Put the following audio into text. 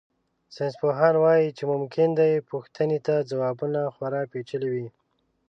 ساینسپوهان وایي چې ممکن دې پوښتنې ته ځوابونه خورا پېچلي وي.